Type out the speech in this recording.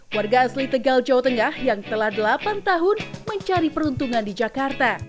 warga asli tegal jawa tengah yang telah delapan tahun mencari peruntungan di jakarta